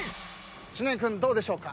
知念君どうでしょうか？